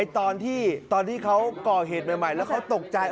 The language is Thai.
ตอนที่เขาก่อเหตุใหม่แล้วเขาตกใจ